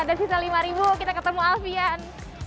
ada sisa lima ribu kita ketemu alfian